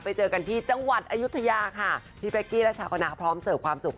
ไปเจอกันที่จังหวัดอายุทยาค่ะพี่เป๊กกี้และชาวคณะพร้อมเสิร์ฟความสุข